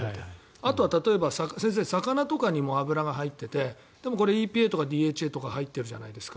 あとは先生、魚とかにも脂が入っていてでもこれＥＰＡとかＤＨＡとか入っているじゃないですか。